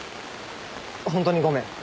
ホントにごめん。